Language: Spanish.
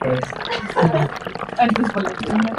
Su especie tipo es "Globigerina mexicana".